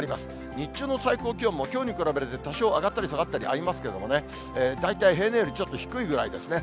日中の最高気温もきょうに比べると多少上がったり下がったりありますけれどもね、大体平年よりちょっと低いぐらいですね。